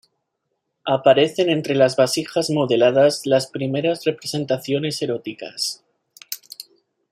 Aparecen entre las vasijas modeladas las primera representaciones eróticas.